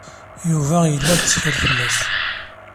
Yuba yella lettkal fell-as.